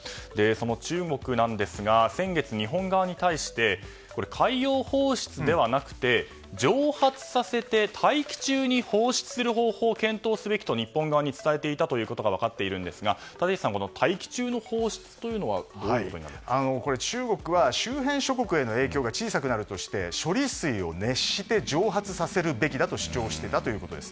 その中国なんですが先月、日本側に対して海洋放出ではなくて蒸発させて大気中に放出する方法を検討すべきと日本側に伝えていたことが分かっているんですが立石さん大気中の放出というのは中国は、周辺諸国への影響が小さくなるとして処理水を熱して蒸発させるべきだと主張していたということです。